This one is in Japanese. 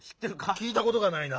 きいたことがないな。